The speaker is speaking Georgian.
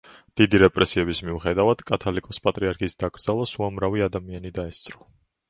დიდი რეპრესიების მიუხედავად კათოლიკოს-პატრიარქის დაკრძალვას უამრავი ადამიანი დაესწრო.